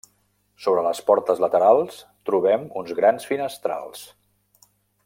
Sobre les portes laterals trobem uns grans finestrals.